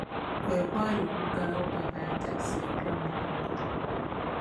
Kwe kwali okuggulawo ppaaka ya ttakisi empya mu butongole.